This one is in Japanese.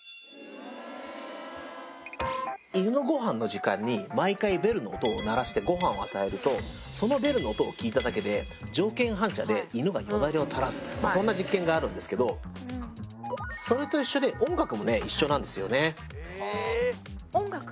犬のごはんの時間に毎回ベルの音を鳴らしてごはんを与えるとそのベルの音を聞いただけで条件反射で犬がよだれを垂らすそんな実験があるんですけどそれと一緒で音楽もね一緒なんですよね音楽？